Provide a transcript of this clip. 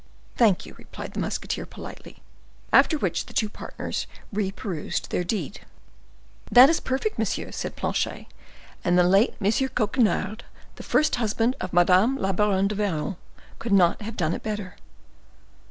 "Thank you," replied the musketeer, politely; after which the two partners reperused their deed. "That is perfect, monsieur," said Planchet; "and the late M. Coquenard, the first husband of Madame la Baronne du Vallon, could not have done it better."